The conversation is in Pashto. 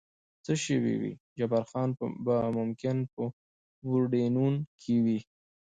څه شوي وي، جبار خان به ممکن په پورډینون کې و.